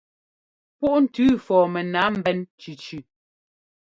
Púʼntʉʉ fɔɔ mɛnǎa mbɛ́n cʉcʉ.